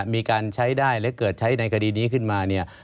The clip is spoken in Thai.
มีการใช้ได้และเกิดใช้ในคดีนี้ขึ้นมา